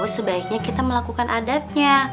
sebaiknya kita melakukan adatnya